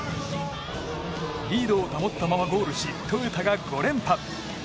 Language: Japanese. リードを保ったままゴールしトヨタが５連覇。